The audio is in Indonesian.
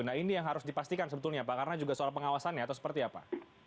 nah ini yang harus dipastikan sebetulnya pak karena juga soal pengawasannya atau seperti apa